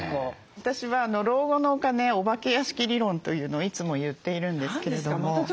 私は老後のお金お化け屋敷理論というのをいつも言っているんですけれども。